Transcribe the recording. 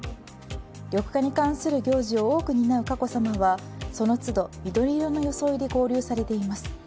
緑化に関する行事を多く担う佳子さまはその都度、緑色の装いで交流されています。